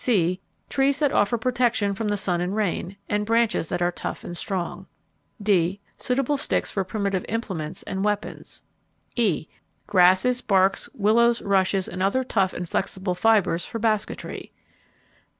(c) Trees that offer protection from the sun and rain, and branches that are tough and strong. (d) Suitable sticks for primitive implements and weapons. (e) Grasses, barks, willows, rushes, and other tough and flexible fibers for basketry.